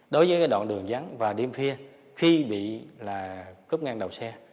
đối với cái đoạn đường dắn và đêm phia khi bị là cúp ngang đầu xe